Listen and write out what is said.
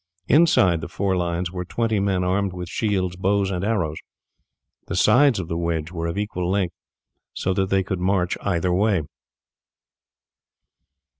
Inside the four lines were twenty men armed with shields, bows, and arrows. The sides of the wedge were of equal length, so that they could march either way.